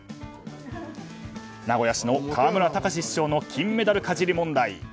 名古屋市の河村たかし市長の金メダルかじり問題。